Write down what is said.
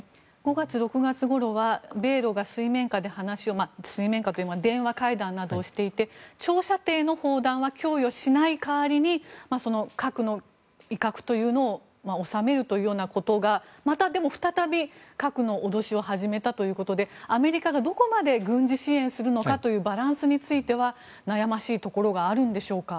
５月、６月ごろは米ロが水面下で話を水面下というか電話会談などをしていて長射程の砲弾は供与しない代わりに核の威嚇というのを収めるというようなことがまた再び核の脅しを始めたということでアメリカがどこまで軍事支援するのかというバランスについては悩ましいところがあるんでしょうか。